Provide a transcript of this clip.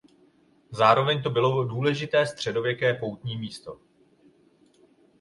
Zároveň to bylo důležité středověké poutní místo.